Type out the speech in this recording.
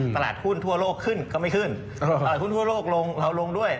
ตลาดหุ้นทั่วโลกขึ้นก็ไม่ขึ้นตลาดหุ้นทั่วโลกลงเราลงด้วย